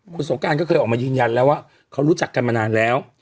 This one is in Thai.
คุณสงการก็เคยออกมายืนยันแล้วว่าเขารู้จักกันมานานแล้ว